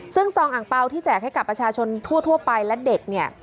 ซึ่งซองอังเปล่าที่แจกให้กับประชาชนทั่วไปและเด็กเนี่ย